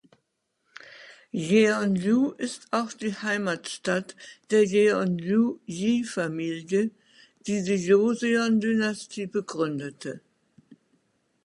Jeonju ist auch die Heimatstadt der Jeonju-Yi-Familie, die die Joseon-Dynastie begründete.